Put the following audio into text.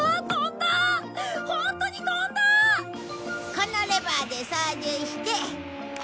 このレバーで操縦して。